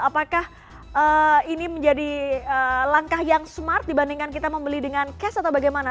apakah ini menjadi langkah yang smart dibandingkan kita membeli dengan cash atau bagaimana